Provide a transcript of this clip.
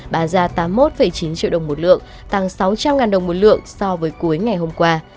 bán ra tám mươi một chín triệu đồng một lượng tăng sáu trăm linh đồng một lượng so với cuối ngày hôm qua